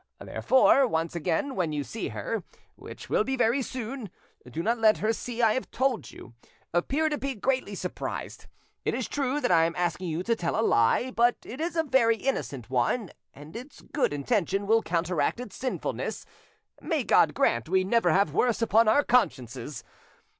Therefore, once again, when you see her, which will be very soon, do not let her see I have told you; appear to be greatly surprised. It is true that I am asking you to tell a lie, but it is a very innocent one, and its good intention will counteract its sinfulness—may God grant we never have worse upon our consciences!